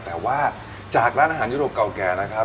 แต่ว่าจากร้านอาหารยุโรปเก่าแก่นะครับ